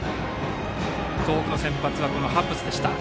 東北の先発はハッブスでした。